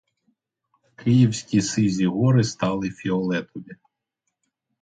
Київські сизі гори стали фіолетові.